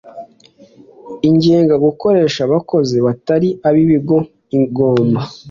igenga gukoresha abakozi batari ab ikigo igomba